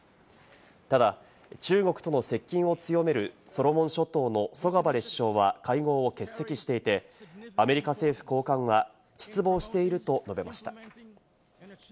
ただ中国との接近を強めるソロモネ諸島のソガバレ首相は会合を欠席していて、アメリカ政府高官は失望していると述べました。